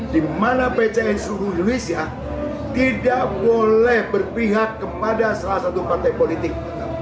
di mana pcn seluruh indonesia tidak boleh berpihak kepada salah satu partai politik